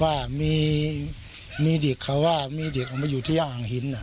ว่ามีดิกค่ะว่ามีดิกออกมาอยู่ที่ย่างหิน